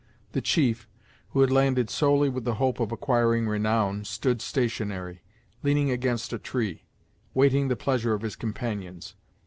The chief, who had landed solely with the hope of acquiring renown, stood stationary, leaning against a tree, waiting the pleasure of his companions.